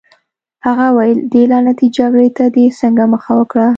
هغه وویل: دې لعنتي جګړې ته دې څنګه مخه وکړه؟